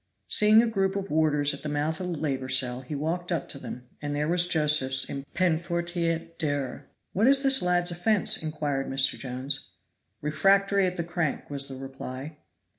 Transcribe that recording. Seeing a group of warders at the mouth of the labor cell, he walked up to them, and there was Josephs in peine forte et dure. "What is this lad's offense?" inquired Mr. Jones. "Refractory at the crank," was the reply.